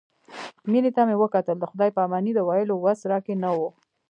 مينې ته مې وکتل د خداى پاماني د ويلو وس راکښې نه و.